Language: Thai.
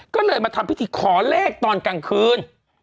ก็เลยมาทำพิธีขอเลขตอนกลางคืน